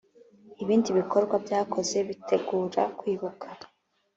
Ibindi bikorwa byakozwe bitegura kwibuka